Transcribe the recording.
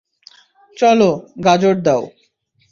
চলো, গাজর দাও।